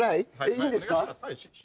いいんですか？